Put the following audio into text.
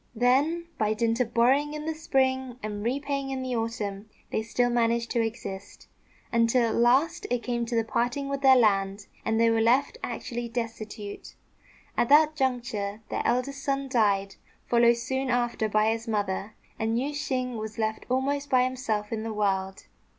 Then, by dint of borrowing in the spring and repaying in the autumn, they still managed to exist, until at last it came to parting with their land, and they were left actually destitute. At that juncture their eldest son died, followed soon after by his mother; and Yüeh shêng was left almost by himself in the world.